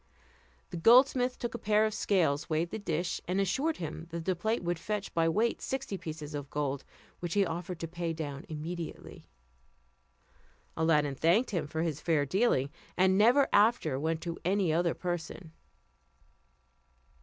The goldsmith took a pair of scales, weighed the dish, and assured him that his plate would fetch by weight sixty pieces of gold, which he offered to pay down immediately. Aladdin thanked him for his fair dealing, and never after went to any other person.